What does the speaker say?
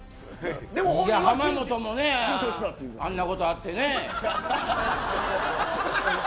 浜本もね、あんなことあってね。